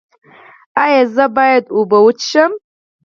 ایا زه باید اوبه وڅښم؟